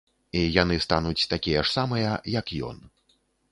І яны стануць такія ж самыя, як ён.